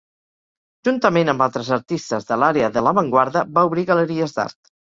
Juntament amb altres artistes de l'àrea de l'avantguarda, va obrir galeries d'art.